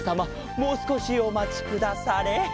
もうすこしおまちくだされ。